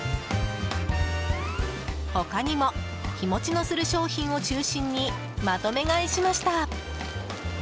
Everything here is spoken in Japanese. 他にも日持ちのする商品を中心にまとめ買いしました。